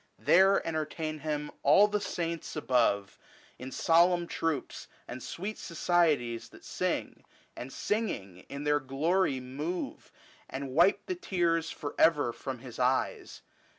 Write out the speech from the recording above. There entertain him all the Saints above, In solemn troops, and sweet societies, That sing, and singing in their glory move, 160* And wipe the tears for ever from his eyes.